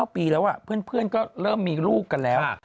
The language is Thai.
๙ปีแล้วเพื่อนก็เริ่มมีลูกกันแล้ว